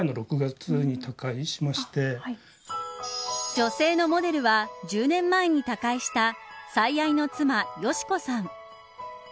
女性のモデルは１０年前に他界した最愛の妻、敏子さん。